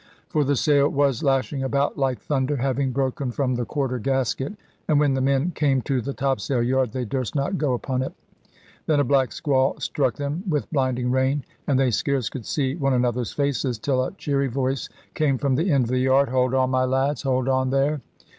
For the sail was lashing about like thunder, having broken from the quarter gasket, and when the men came to the topsail yard they durst not go upon it. Then a black squall struck them with blinding rain, and they scarce could see one another's faces, till a cheery voice came from the end of the yard, "Hold on, my lads hold on there!